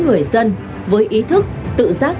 người dân với ý thức tự giác